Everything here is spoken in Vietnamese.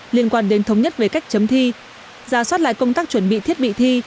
liên quan đến thống nhất về cách chấm thi giả soát lại công tác chuẩn bị thiết bị thi